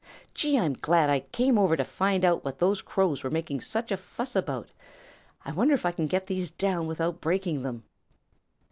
Gee, I'm glad I came over here to find out what those Crows were making such a fuss about. I wonder if I can get these down without breaking them."